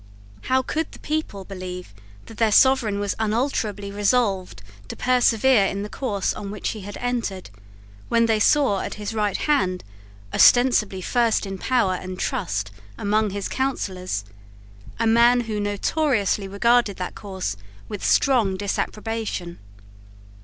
How could the people believe that their Sovereign was unalterably resolved to persevere in the course on which he had entered, when they saw at his right hand, ostensibly first in power and trust among his counsellors, a man who notoriously regarded that course with strong disapprobation?